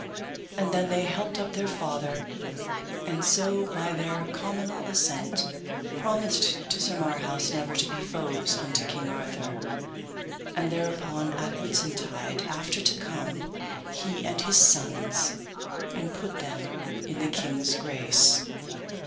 And then they helped up their father, and so by their cominal assent promised to Sir Marhaus never to be foes unto King Arthur, and thereupon at Whitsuntide after to come, he and his sons, and put them in the king's grace.